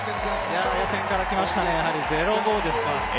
予選からきましたね、０５ですか。